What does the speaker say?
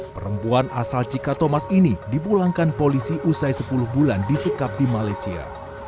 perempuan asal cika thomas ini dipulangkan polisi usai sepuluh bulan disekap di malaysia